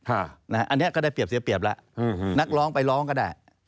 อันนี้ก็ได้เปรียบเสียเปรียบแล้วนักร้องไปร้องก็ได้